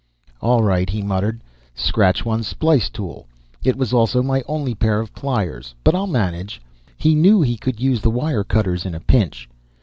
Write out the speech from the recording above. "All right," he muttered, "scratch one splice tool. It was also my only pair of pliers, but I'll manage." He knew he could use the wire cutters in a pinch.